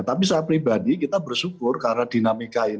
tapi saya pribadi kita bersyukur karena